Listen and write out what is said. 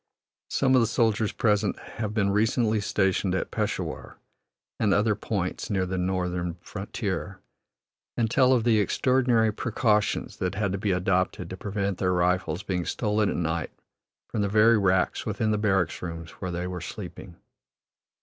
Some of the soldiers present have been recently stationed at Peshawur and other points near the northern frontier, and tell of the extraordinary precautions that had to be adopted to prevent their rifles being stolen at night from the very racks within the barrack rooms where they were sleeping.